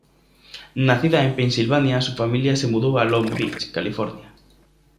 Nacida en Pennsylvania su familia se mudó a Long Beach, California.